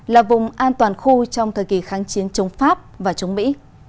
là vùng an toàn khu trong thời kỳ kháng chiến chống pháp và chống mỹ